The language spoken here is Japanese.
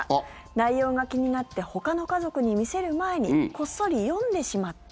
内容が気になってほかの家族に見せる前にこっそり読んでしまった。